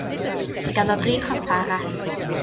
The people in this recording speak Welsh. Mae ganddo dri chopa arall.